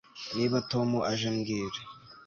Niba Tom aje mbwira